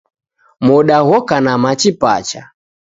Moda ghoka na machi pacha.